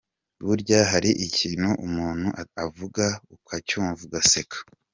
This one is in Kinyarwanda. Burya hari ikintu umuntu avuga, ukacyumva ugaseka.